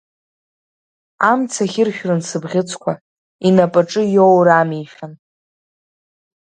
Амцахь иршәрын сыбӷьыцқәа, инапаҿы иоур амишәан.